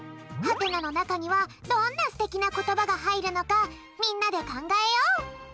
「？」のなかにはどんなすてきなことばがはいるのかみんなでかんがえよう！